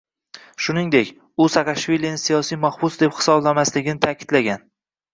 Shuningdek, u Saakashvilini siyosiy mahbus deb hisoblamasligini ta’kidlagan